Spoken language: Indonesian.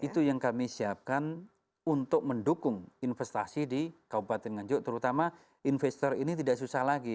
itu yang kami siapkan untuk mendukung investasi di kabupaten nganjuk terutama investor ini tidak susah lagi